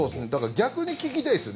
逆に聞きたいです。